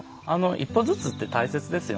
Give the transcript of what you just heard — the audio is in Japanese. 一歩ずつって大切ですよね。